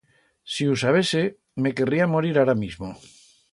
Si hu sabese, me querría morir ara mismo.